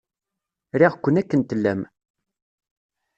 Riɣ-ken akken tellam.